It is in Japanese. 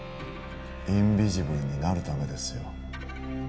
インビジブルになるためですよ